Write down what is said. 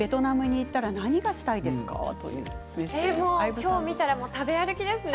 今日見たら食べ歩きですね。